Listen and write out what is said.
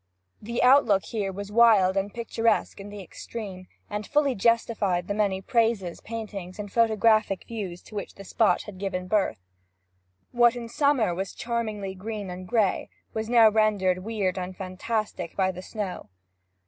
The outlook here was wild and picturesque in the extreme, and fully justified the many praises, paintings, and photographic views to which the spot had given birth. What in summer was charmingly green and gray, was now rendered weird and fantastic by the snow.